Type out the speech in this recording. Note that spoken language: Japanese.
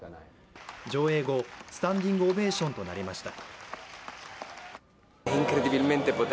上映後、スタンディングオベーションとなりました。